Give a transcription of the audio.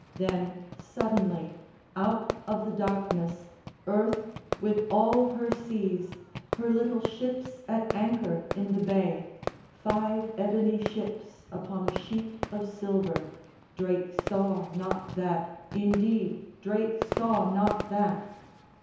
Then, suddenly, Out of the darkness, earth with all her seas, Her little ships at anchor in the bay (Five ebony ships upon a sheet of silver, Drake saw not that, indeed, Drake saw not that!)